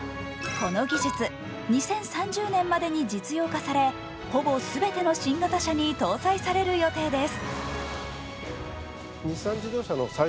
この技術、２０３０年までに実用化されほぼ全ての新型車に搭載される予定です。